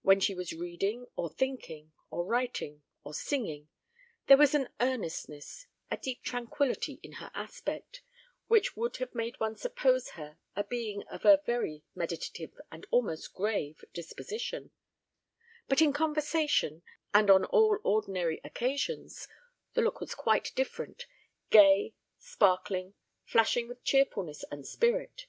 When she was reading, or thinking, or writing, or singing, there was an earnestness, a deep tranquillity in her aspect, which would have made one suppose her a being of a very meditative and almost grave disposition; but in conversation, and on all ordinary occasions, the look was quite different; gay, sparkling, flashing with cheerfulness and spirit.